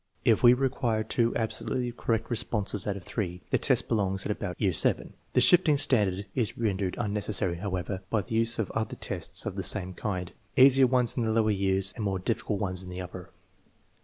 If we require two absolutely correct responses out of three, the test belongs at about year VII. The shifting standard is ren dered unnecessary, however, by the use of other tests of the same kind, easier ones in the lower years and more difficult ones in the upper.